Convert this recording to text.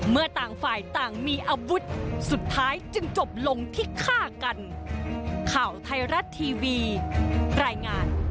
ต่างฝ่ายต่างมีอาวุธสุดท้ายจึงจบลงที่ฆ่ากัน